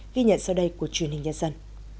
ghi nhận sau đây của truyền hình nhân dân